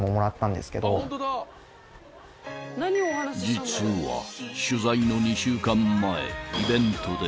［実は取材の２週間前イベントで初対面］